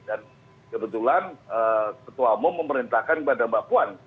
dan kebetulan ketua umum memerintahkan kepada mbak puan